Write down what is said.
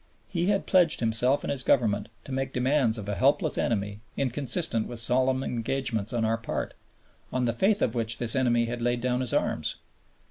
He had pledged himself and his Government to make demands of a helpless enemy inconsistent with solemn engagements on our part, on the faith of which this enemy had laid down his arms.